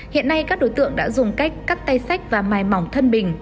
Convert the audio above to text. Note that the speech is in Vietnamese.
hiện nay các đối tượng đã dùng cách cắt tay sách và mài mỏng thân bình